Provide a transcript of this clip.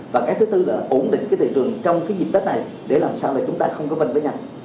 và cái thứ tư là ổn định cái thị trường trong cái dịp tết này để làm sao để chúng ta không có bên với nhau